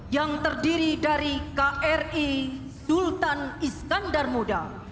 yang terdiri dari kri sultan iskandar muda